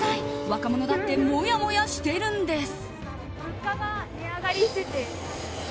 若者だってもやもやしてるんです！